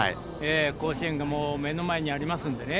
甲子園が目の前にありますのでね。